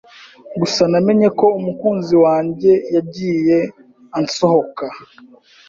Gusa namenye ko umukunzi wanjye yagiye ansohoka.